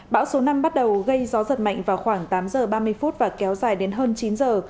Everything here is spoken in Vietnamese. bão số năm bắt đầu gây gió giật mạnh vào khoảng tám giờ ba mươi phút và kéo dài đến hơn chín giờ